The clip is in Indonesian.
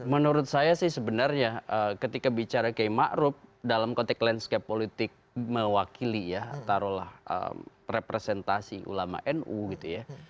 menurut saya sih sebenarnya ketika bicara kay ma'ruf dalam kotak landscape politik mewakili ya taruhlah representasi ulama nu gitu ya